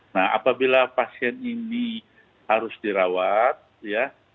nah apabila pasien ini harus dirawat ya